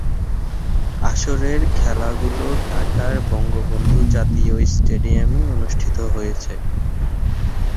আসরের খেলাগুলো ঢাকার বঙ্গবন্ধু জাতীয় স্টেডিয়ামে অনুষ্ঠিত হয়েছে।